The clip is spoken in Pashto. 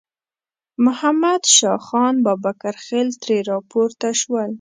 محمد شاه خان بابکرخېل ترې راپورته شول.